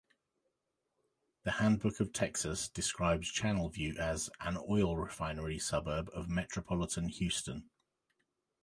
The "Handbook of Texas" describes Channelview as "an oil refinery suburb of metropolitan Houston.